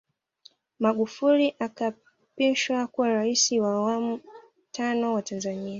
Magufuli akaapishwa kuwa Rais wa Awamuya Tano wa Tanzania